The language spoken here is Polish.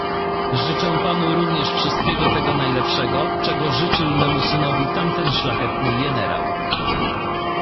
"Życzę panu również wszystkiego tego najlepszego, czego życzył memu synowi tamten szlachetny jenerał..."